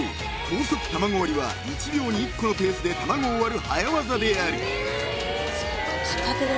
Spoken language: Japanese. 高速卵割りは１秒に１個のペースで卵を割る早技である］